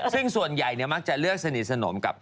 ซึ่งส่วนใหญ่มักจะเลือกสนิทสนมกับ